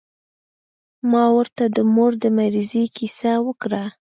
ما ورته د مور د مريضۍ کيسه وکړه.